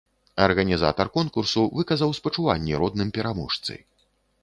Арганізатар конкурсу выказаў спачуванні родным пераможцы.